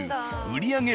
売り上げ